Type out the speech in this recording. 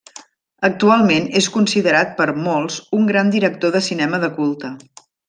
Actualment és considerat per molts un gran director de cinema de culte.